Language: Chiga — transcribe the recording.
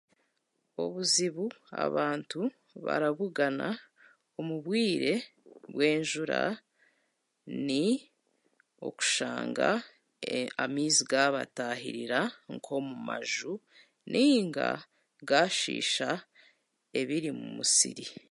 Obuzibu abantu barabugana omu bwire bw'enjura ni, okushanga e amaizi gaabatayirira nk'omu maju nainga gaashisha ebiri mumusiri.